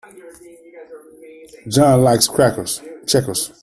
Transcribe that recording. John likes checkers.